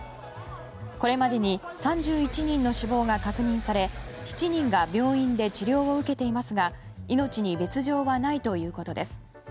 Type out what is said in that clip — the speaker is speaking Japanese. これまでに３１人の死亡が確認され７人が病院で治療を受けていますが命に別条はないということです。